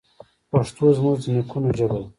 پښتو زموږ د نیکونو ژبه ده.